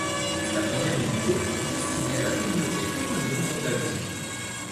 C'est la première unité destinée à la communauté autonome d'Andalousie.